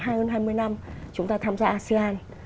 hơn hai mươi năm chúng ta tham gia asean